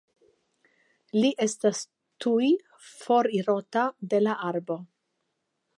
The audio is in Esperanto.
Li estas tuj fortirota de la arbo.